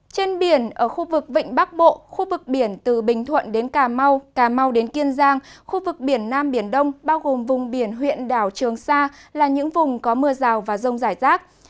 trên biển ở khu vực vịnh bắc bộ khu vực biển từ bình thuận đến cà mau cà mau đến kiên giang khu vực biển nam biển đông bao gồm vùng biển huyện đảo trường sa là những vùng có mưa rào và rông rải rác